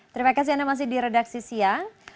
terima kasih anda masih di redaksi siang